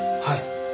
はい。